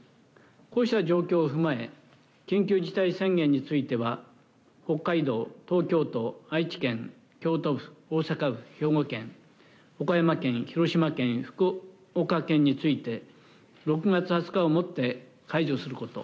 こうした状況を踏まえ緊急事態宣言については北海道、東京都、愛知県、京都府大阪府、兵庫県岡山県、広島県、福岡県について６月２０日をもって解除すること。